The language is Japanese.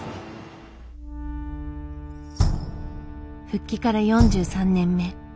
復帰から４３年目。